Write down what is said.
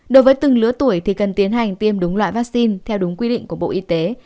đối với từng lứa tuổi thì cần tiến hành tiêm đúng loại vaccine theo đúng quy định của bộ y tế